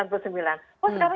oh sekarang jadi turun